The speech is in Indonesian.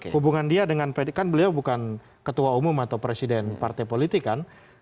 hubungan dia dengan kan beliau bukan ketua umum atau presiden partai politik kan